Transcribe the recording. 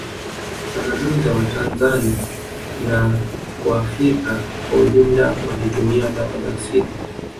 Tamaduni za watanzani na waafrika kwa ujumla walitumia dawa za asili